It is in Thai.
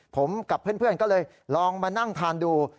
ผมกับเพื่อนก็เลยลองมานั่งทานดู